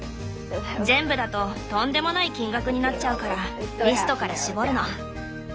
全部だととんでもない金額になっちゃうからリストから絞るの。